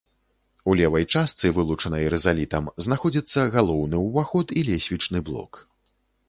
У левай частцы, вылучанай рызалітам, знаходзіцца галоўны ўваход і лесвічны блок.